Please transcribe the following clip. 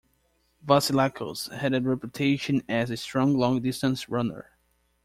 Vasilakos had a reputation as a strong long-distance runner.